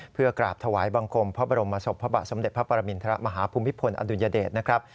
เพื่อกราบถวายบังคมพระบรมศพพระบาทสมเด็จพระปรมินทรมาฮภูมิพลอดุลยเดชนะครับ